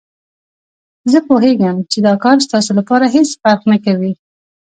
زه پوهېږم چې دا کار ستاسو لپاره هېڅ فرق نه کوي.